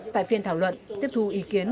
tại phiên thảo luận tiếp thu ý kiến